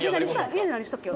家で何したっけ？」